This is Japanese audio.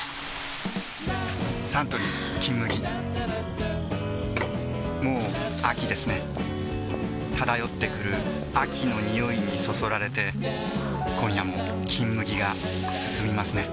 サントリー「金麦」もう秋ですね漂ってくる秋の匂いにそそられて今夜も「金麦」がすすみますね